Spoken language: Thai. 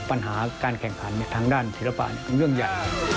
ปัญหาการแข่งขันทางด้านศิลปะเรื่องใหญ่